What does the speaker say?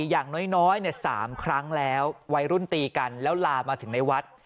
อย่างน้อย๓ครั้งแล้ววัยรุ่นตีกันแล้วลามาถึงในวัด